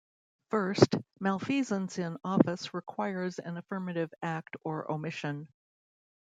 First, malfeasance in office requires an affirmative act or omission.